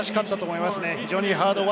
素晴らしかったと思います。